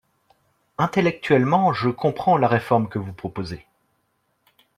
Intellectuellement, je comprends la réforme que vous proposez.